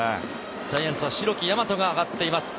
ジャイアンツは代木大和が上がっています。